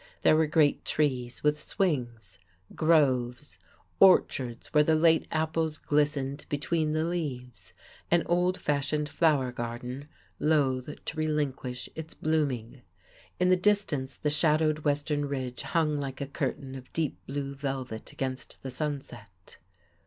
There were great trees with swings, groves, orchards where the late apples glistened between the leaves, an old fashioned flower garden loath to relinquish its blooming. In the distance the shadowed western ridge hung like a curtain of deep blue velvet against the sunset.